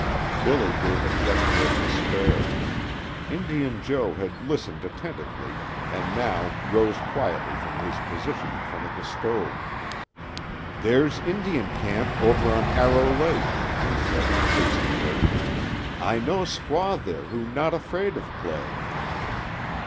Billy gave a gesture of despair. Indian Joe had listened attentively, and now rose quietly from his position in front of the stove. "There's Indian camp over on Arrow Lake," he said, facing Billy. "I know squaw there who not afraid of plague."